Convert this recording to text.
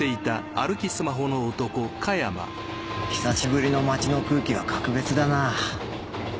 久しぶりの街の空気は格別だな。